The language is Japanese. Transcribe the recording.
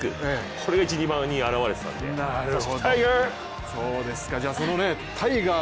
これが１・２番に表れていたのでタイガー！